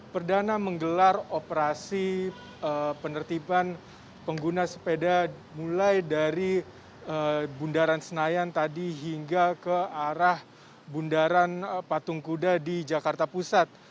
perdana menggelar operasi penertiban pengguna sepeda mulai dari bundaran senayan tadi hingga ke arah bundaran patung kuda di jakarta pusat